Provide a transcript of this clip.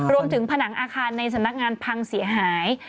รวมถึงผนังอาคารในสนักงานพังเสียหาย